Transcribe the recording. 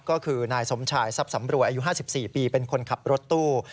ก็คือนายสมชายทรัพย์สำรวยอายุ๕๔ปีเป็นคนขับรถตู้